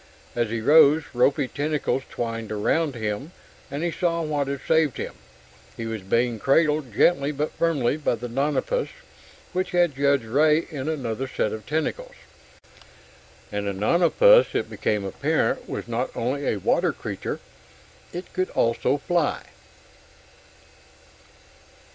As he rose, ropy tentacles twined about him, and he saw what had saved him. He was being cradled, gently but firmly, by the nonapus, which had Judge Ray in another set of tentacles. And the nonapus, it became apparent, was not only a water creature. It could also fly.